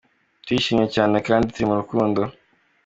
Turishimye cyane kandi turi mu rukundo.